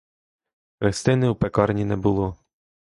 Христини у пекарні не було.